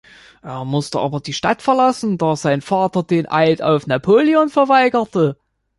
Er musste aber die Stadt verlassen, da sein Vater den Eid auf Napoleon verweigerte.